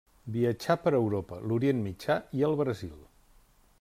Viatjà per Europa, l'Orient Mitjà i el Brasil.